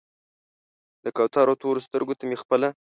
د کوترو تورو سترګو ته مې خپله